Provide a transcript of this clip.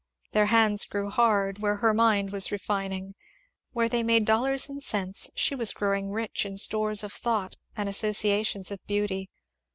Their hands grew hard where her mind was refining. Where they made dollars and cents, she was growing rich in stores of thought and associations of beauty.